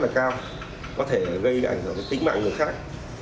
có thể gây ảnh hưởng đến tính mạng người khác